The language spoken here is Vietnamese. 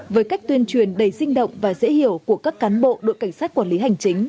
với cách tuyên truyền đầy sinh động và dễ hiểu của các cán bộ đội cảnh sát quản lý hành chính